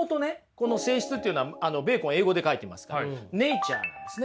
この性質っていうのはベーコン英語で書いてますからネイチャーなんですね。